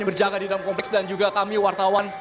yang berjaga di dalam kompleks dan juga kami wartawan